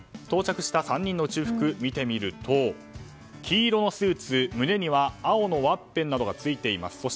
到着した３人の宇宙服を見てみると黄色のスーツ、胸には青のワッペンなどがついています。